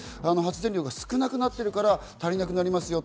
発電量が少なくなっているから足りなくなります。